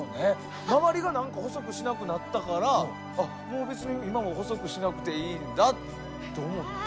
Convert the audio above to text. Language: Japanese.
周りがなんか細くしなくなったからあもう別に今は細くしなくていいんだと思って。